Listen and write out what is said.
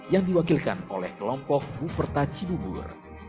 yang diwakilkan oleh kelompok buperta cibubur